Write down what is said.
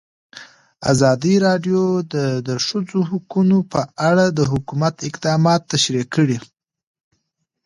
ازادي راډیو د د ښځو حقونه په اړه د حکومت اقدامات تشریح کړي.